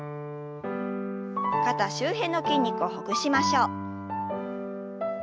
肩周辺の筋肉をほぐしましょう。